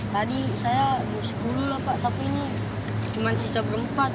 tadi saya dua puluh lho pak tapi ini cuma sisa berempat